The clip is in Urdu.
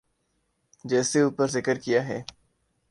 جیسے اوپر ذکر کیا ہے۔